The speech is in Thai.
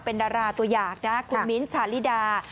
เป็นดาราตัวอย่างนะคุณมิ้นท์ชาลิดา